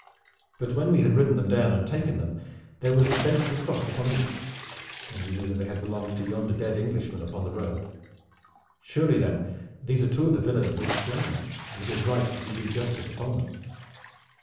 But when we had ridden them down and taken them, there was the Bentley cross upon each, and we knew that they had belonged to yonder dead Englishman upon the road. Surely then, these are two of the villains who have slain him, and it is right that we do justice upon them."